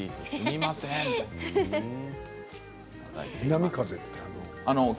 南風って？